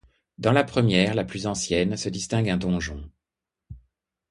Dans la première, la plus ancienne, se distingue un donjon.